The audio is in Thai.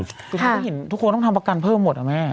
คือท่านต้องเห็นทุกคนต้องทำประกันเพิ่มหมดอะแม่